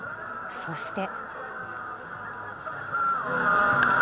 そして。